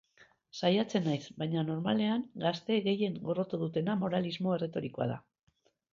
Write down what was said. Saiatzen naiz, baina normalean gazteek gehien gorroto dutena moralismo erretorika da.